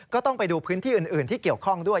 ก็ต้องไปดูพื้นที่อื่นที่เกี่ยวข้องด้วย